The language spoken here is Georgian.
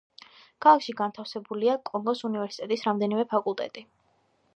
ქალაქში განთავსებულია კონგოს უნივერსიტეტის რამდენიმე ფაკულტეტი.